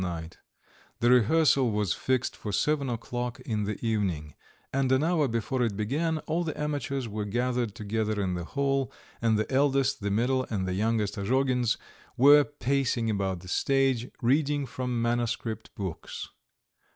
The rehearsal was fixed for seven o'clock in the evening, and an hour before it began all the amateurs were gathered together in the hall, and the eldest, the middle, and the youngest Azhogins were pacing about the stage, reading from manuscript books.